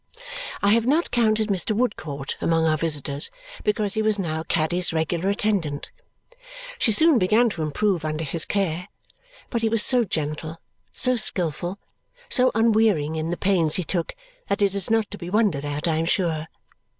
I have not counted Mr. Woodcourt among our visitors because he was now Caddy's regular attendant. She soon began to improve under his care, but he was so gentle, so skilful, so unwearying in the pains he took that it is not to be wondered at, I am sure.